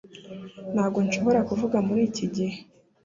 Ntabwo nshobora kuvuga muri iki gihe